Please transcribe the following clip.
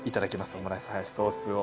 オムライスハヤシソースを。